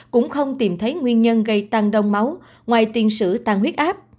cũng không tìm thấy nguyên nhân gây tăng đông máu ngoài tiền sự tăng huyết áp